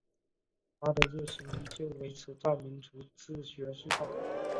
他的热情依旧维持在民族志学术上。